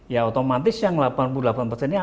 ya otomatis yang delapan puluh delapan persennya